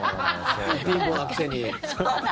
貧乏なくせに。